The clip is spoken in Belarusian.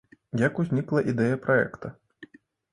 Як узнікла ідэя праекта?